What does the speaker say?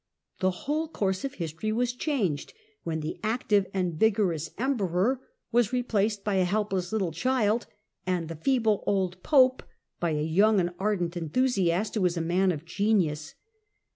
The whole course of history was changed when the active and vigorous Emperor was replaced by a helpless little child, and the feeble old Pope by a young and ardent enthusiast, who was also a man of genius.